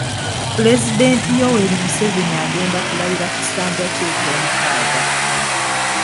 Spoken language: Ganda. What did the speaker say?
Pulezidenti Yoweri Museveni agenda kulayira ku kisanja kye ekyomukaaga.